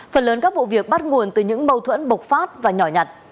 phần lớn các vụ việc bắt nguồn từ những mâu thuẫn bộc phát và nhỏ nhặt